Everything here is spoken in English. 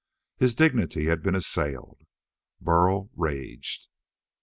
His dignity had been assailed. Burl raged.